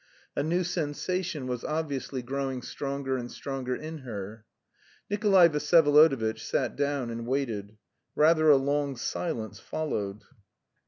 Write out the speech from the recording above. A new sensation was obviously growing stronger and stronger in her. Nikolay Vsyevolodovitch sat down and waited. Rather a long silence followed.